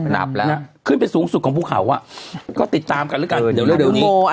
นับแล้วขึ้นไปสูงสุดของภูเขาก็ติดตามกันละกันเดี๋ยวหนูโมะ